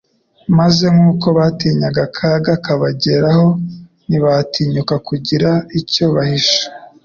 maze kuko batinyaga akaga kabageraho, ntibatinyuka kugira icyo bahisha,